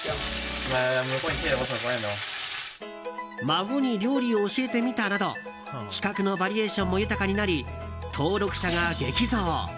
孫に料理を教えてみたなど企画のバリエーションも豊かになり登録者が激増。